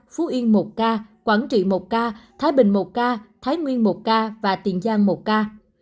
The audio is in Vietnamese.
phú yên một ca quảng trị một ca thái bình một ca thái nguyên một ca và tiền giang một ca